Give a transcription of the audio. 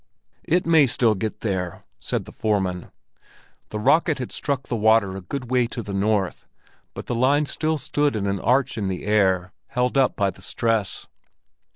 "It may still get there," said the foreman. The rocket had struck the water a good way to the north, but the line still stood in an arch in the air, held up by the stress.